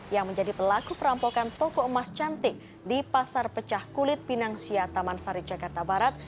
yang menjadi pelaku perampokan toko emas cantik di pasar pecah kulit pinang sia taman sari jakarta barat